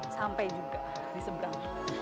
sampai juga di seberang